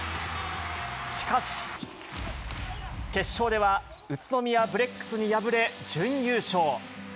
しかし、決勝では、宇都宮ブレックスに敗れ、準優勝。